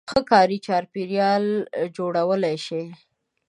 -ښه کاري چاپېریال جوړولای شئ